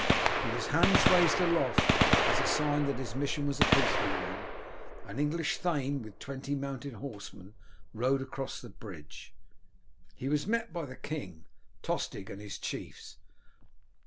With his hands raised aloft, as a sign that his mission was a peaceful one, an English thane with twenty mounted horsemen rode across the bridge. He was met by the king, Tostig, and his chiefs.